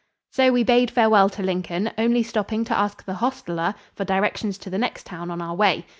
So we bade farewell to Lincoln, only stopping to ask the hostler for directions to the next town on our way.